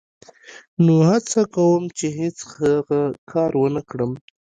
نو هڅه کوم چې هېڅ هغه کار و نه کړم.